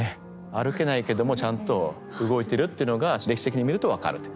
歩けないけどもちゃんと動いてるというのが歴史的に見ると分かるという。